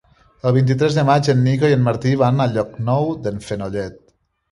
El vint-i-tres de maig en Nico i en Martí van a Llocnou d'en Fenollet.